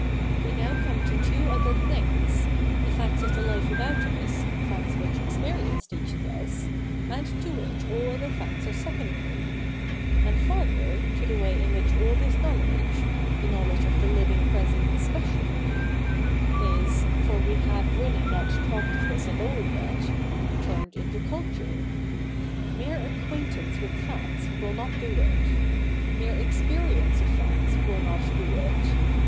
We now come to two other things — the facts of the life about us, the facts which experience teaches us, and to which all other facts are secondar}' ; and, farther, to the way in which all this knowledge— the knowledge T3S THE NEW REPUBLIC [hk. hi of the living present especially — is (for we have really not talked of this at all yet) turned into culture. Mere acquaintance with facts will not do it. Mere ex perience of facts will not do it.